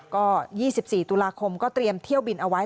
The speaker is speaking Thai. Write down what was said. ก็๒๔ตุลาคมก็เตรียมเที่ยวบินเอาไว้